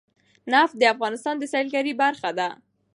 نفت د افغانستان د سیلګرۍ برخه ده.